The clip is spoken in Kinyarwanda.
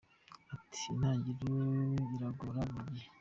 Ati “ Intangiriro iragora buri gihe.